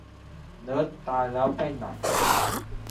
เนิร์ดตายแล้วไปไหน ?